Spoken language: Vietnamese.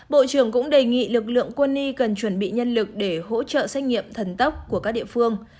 bộ trưởng cũng đề nghị lực lượng quân y cần chuẩn bị nhân lực để hỗ trợ xét nghiệm thần tốc của các địa phương